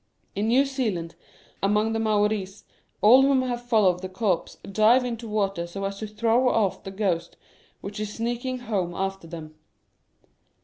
In New Zealand, among the Maoris, all who have followed the corpse dive into water so as to throw off* the ghost which is sneaking home after them.